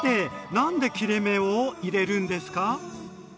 何で切れ目を入れるんですか？